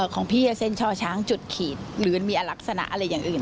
ของพี่จะเส้นช่อช้างจุดขีดหรือมีลักษณะอะไรอย่างอื่น